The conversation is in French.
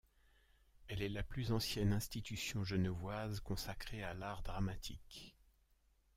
Elle est la plus ancienne institution genevoise consacrée à l’art dramatique.